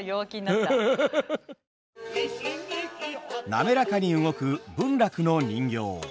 滑らかに動く文楽の人形。